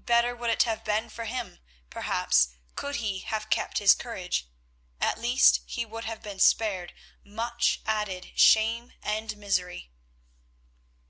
Better would it have been for him, perhaps, could he have kept his courage; at least he would have been spared much added shame and misery.